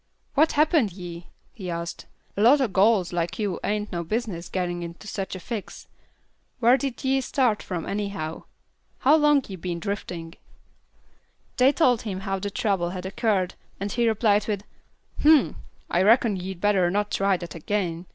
"What happened ye?" he asked. "A lot o' gals like you ain't no business gittin' into such a fix. Whar did ye start from, anyhow? How long ye been driftin'?" They told him how the trouble had occurred, and he replied with, "Humph! I reckon ye'd better not try that agin.